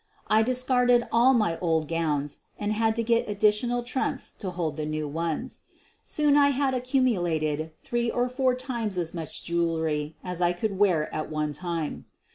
I discarded all my old gowns and had to get addi tional trunks to hold the new ones. Soon I had ac cumulated three or four times as much jewelry as I could wear at one time.